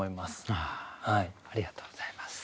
ありがとうございます。